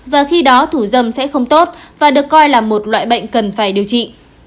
và khi đó thủ dâm sẽ không tốt và được coi là một loại bệnh cần phải điều trị